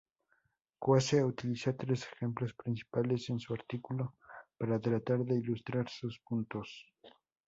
Coase utiliza tres ejemplos principales en su artículo para tratar de ilustrar sus puntos.